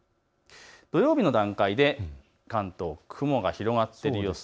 土曜日の段階で関東、雲が広がっている予想。